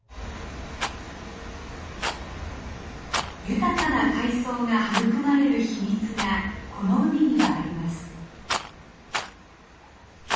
豊かな海藻が育まれる秘密がこの海にはあります。